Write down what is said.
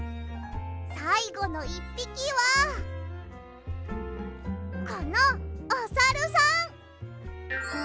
さいごの１ぴきはこのおサルさん！